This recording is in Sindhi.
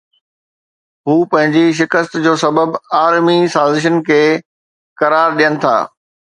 هو پنهنجي شڪست جو سبب عالمي سازشن کي قرار ڏين ٿا